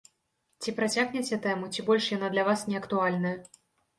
Ці працягнеце тэму, ці больш яна для вас не актуальная?